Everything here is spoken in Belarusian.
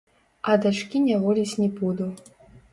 А дачкі няволіць не буду.